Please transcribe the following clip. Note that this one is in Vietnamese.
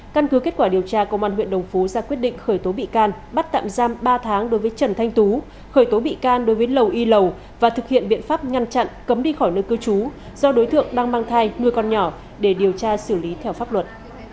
căn cứ kết quả điều tra công an huyện đồng phú ra quyết định khởi tố bị can bắt tạm giam ba tháng đối với trần thanh tú khởi tố bị can đối với lầu y lầu và thực hiện biện pháp ngăn chặn cấm đi khỏi nơi cư trú do đối tượng đang mang thai nuôi con nhỏ để điều tra xử lý theo pháp luật